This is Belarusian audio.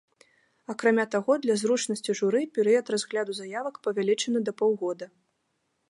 Акрамя таго, для зручнасці журы перыяд разгляду заявак павялічаны да паўгода.